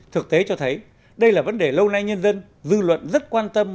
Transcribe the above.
thực tế cho thấy đây là vấn đề lâu nay nhân dân dư luận rất quan tâm